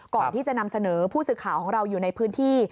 ก่อนที่จะนำเสนอผู้สื่อข่าวของเราอยู่ในพื้นที่